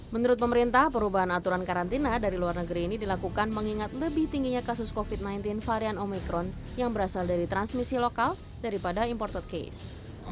menurut pemerintah perubahan aturan karantina dari luar negeri ini dilakukan mengingat lebih tingginya kasus covid sembilan belas varian omikron yang berasal dari transmisi lokal daripada imported case